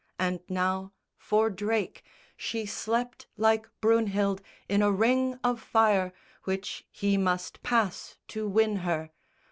And now, for Drake, She slept like Brynhild in a ring of fire Which he must pass to win her.